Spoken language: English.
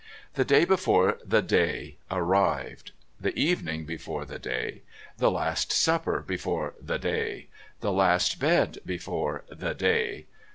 The Day Before The Day arrived, the evening before The Day, the last supper before The Day, the last bed before The Day...